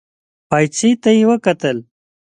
پايڅې ته يې وکتل.